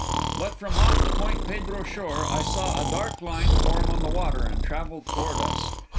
But from off the Point Pedro shore I saw a dark line form on the water and travel toward us.